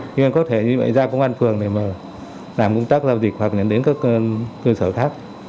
nhưng em có thể như vậy ra công an phường để mà làm công tác giao dịch hoặc là đến các cơ sở khác